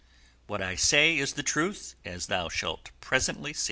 What I say is the truth, as thou shalt see presently."